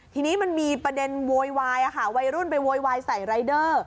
ทีนี้มันมีประเด็นโวยวายวัยรุ่นไปโวยวายใส่รายเดอร์